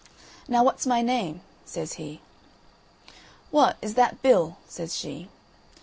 "Now, what's my name?" says he. "What, is that Bill?" says she.